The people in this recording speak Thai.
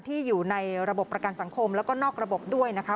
อยู่ในระบบประกันสังคมแล้วก็นอกระบบด้วยนะคะ